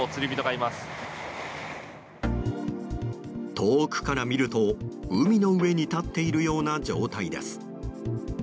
遠くから見ると海の上に立っているような状態です。